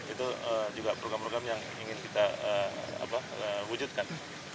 itu juga program program yang ingin kita wujudkan